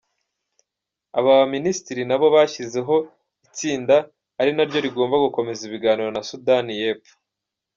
Aba baminisitiri nabo bashyizeho itsinda, ari naryo rigomba gukomeza ibiganiro na Sudani y’ Epfo.